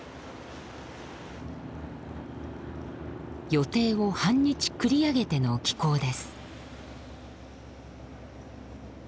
予定を半日繰り上げての帰港です。